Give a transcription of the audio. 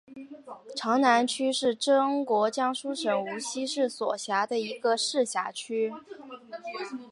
南长区是中国江苏省无锡市所辖的一个市辖区。